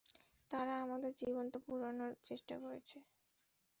তারা আমাদের জীবন্ত পুড়ানোর চেষ্টা করছে।